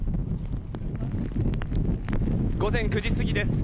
午前９時過ぎです。